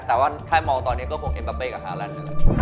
แต่ว่าถ้ามองตอนนี้ก็คงเอ็มบาเป้กับฮาแลนด์